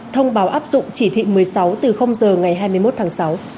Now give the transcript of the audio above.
thông báo áp dụng chỉ thị một mươi sáu từ giờ ngày hai mươi một tháng sáu